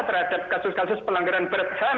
terhadap kasus kasus pelanggaran berat ham